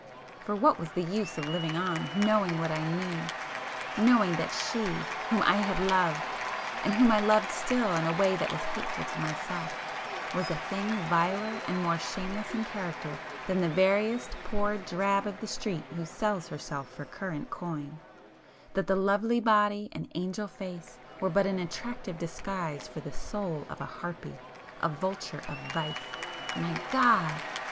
For what was the use of living on,—knowing what I knew! Knowing that she whom I had loved, and whom I loved still in a way that was hateful to myself, was a thing viler and more shameless in character than the veriest poor drab of the street who sells herself for current coin,—that the lovely body and angel face were but an attractive disguise for the soul of a harpy,—a vulture of vice, ... my God!